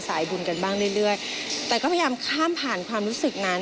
สายบุญกันบ้างเรื่อยเรื่อยแต่ก็พยายามข้ามผ่านความรู้สึกนั้น